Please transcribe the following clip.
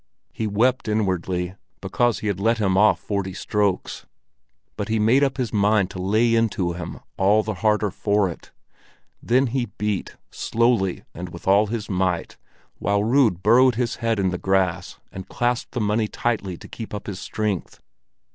He wept inwardly because he had let him off forty strokes; but he made up his mind to lay into him all the harder for it. Then he beat, slowly and with all his might, while Rud burrowed with his head in the grass and clasped the money tightly to keep up his strength.